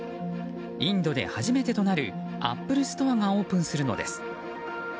インドで初めてのアップルストアがオープンするのです。